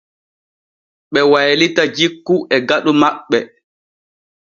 Ɓe baylita jikku e faɗu maɓɓe.